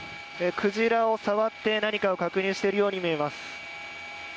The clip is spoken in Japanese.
鯨を触って何かを確認しているように見えます。